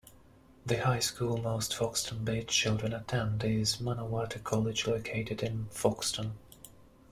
The High School most Foxton Beach children attend is Manawatu College located in Foxton.